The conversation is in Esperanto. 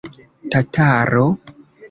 Tataro?